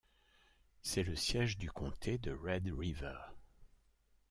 C'est le siège du comté de Red River.